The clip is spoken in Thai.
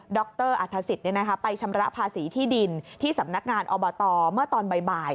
รอัฐศิษย์ไปชำระภาษีที่ดินที่สำนักงานอบตเมื่อตอนบ่าย